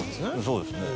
そうですね。